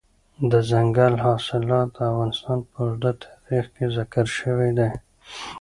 دځنګل حاصلات د افغانستان په اوږده تاریخ کې ذکر شوی دی.